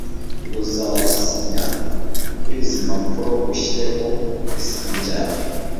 Uzasinya kurizi mpapuro ushyireho izina ryawe